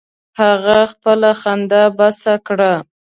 هغه خپله خندا بس کړه.